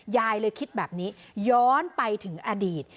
ยายเลยคิดแบบนี้ย้อนไปถึงอดีต